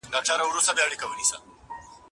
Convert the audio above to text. .ویرجینیا